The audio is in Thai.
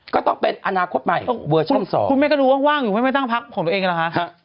ก็ต้องเป็นอนาคตใหม่เวิร์ดช่อง๒คุณแม่ก็รู้ว่าว่างอยู่ไม่ตั้งพักของตัวเองหรอคะ